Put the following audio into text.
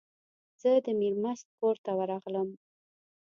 زه د میرمست کور ته ورغلم.